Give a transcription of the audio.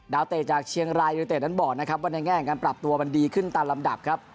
เตะจากเชียงรายยูนิเต็ดนั้นบอกนะครับว่าในแง่ของการปรับตัวมันดีขึ้นตามลำดับครับ